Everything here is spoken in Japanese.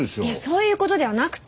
そういう事ではなくて。